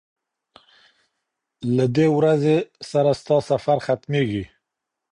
له دې ورځي سره ستا سفر ختمیږي